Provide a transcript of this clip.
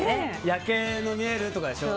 夜景の見える、とかでしょ。